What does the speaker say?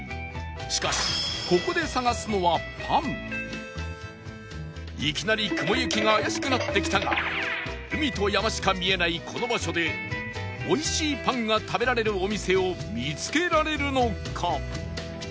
しかしいきなり雲行きが怪しくなってきたが海と山しか見えないこの場所で美味しいパンが食べられるお店を見つけられるのか？